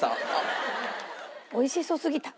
美味しそうすぎた。